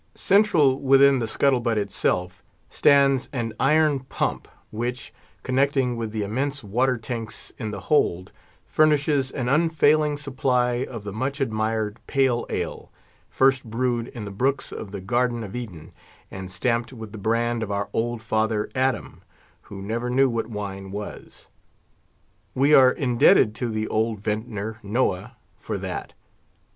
Central, within the scuttle butt itself, stands an iron pump, which, connecting with the immense water tanks in the hold, furnishes an unfailing supply of the much admired Pale Ale, first brewed in the brooks of the garden of Eden, and stamped with the brand of our old father Adam, who never knew what wine was. We are indebted to the old vintner Noah for that.